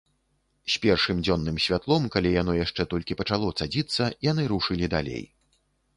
З першым дзённым святлом, калі яно яшчэ толькі пачало цадзіцца, яны рушылі далей.